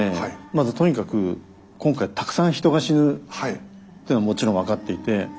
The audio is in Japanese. まずとにかく今回たくさん人が死ぬというのはもちろん分かっていて。